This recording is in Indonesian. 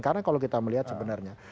karena kalau kita melihat sebenarnya